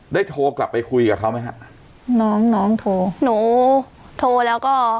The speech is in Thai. โทรกลับไปคุยกับเขาไหมฮะน้องน้องโทรหนูโทรแล้วก็